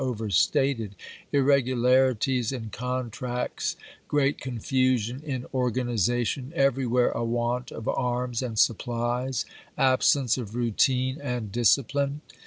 v. overstated — irregularities in contracts ; great con fusion in organization ; everywhere a want of arms and supplies ; absence of routine and discipline.